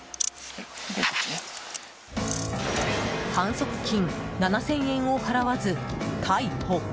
反則金７０００円を払わず、逮捕。